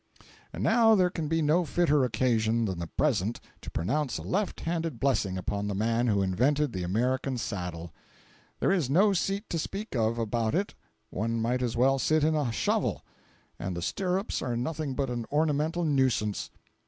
And now there can be no fitter occasion than the present to pronounce a left handed blessing upon the man who invented the American saddle. There is no seat to speak of about it—one might as well sit in a shovel—and the stirrups are nothing but an ornamental nuisance.